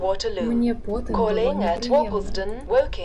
Мне потым было непрыемна.